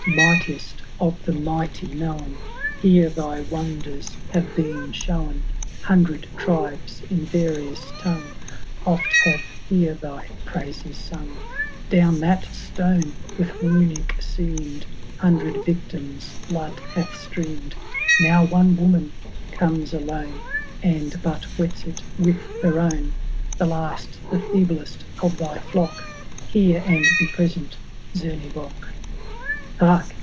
^ Mightiest of the mighty known. Here thy wonders have been shown *, ]42 HAROLD THB DAUNTLBSS. OatUo If Hundred tribes in Tarions tongue Oft have here thy praises sung ; Down that stone with Runic Beain*d4 Hundred victims* blood hath streamed ! Now one woman comes alone. And but wets it with her own, The last the feeblest of thy flocky^ Hear — and be present, Zemebock !^ Hark